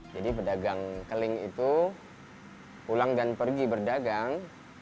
jadi berdagang keling itu pulang dan pergi berdagang